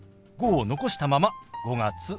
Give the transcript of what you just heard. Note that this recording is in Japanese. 「５」を残したまま「５月９日」。